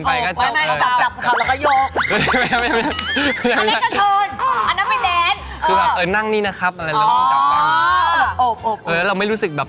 ผมกลัวความสุขนะ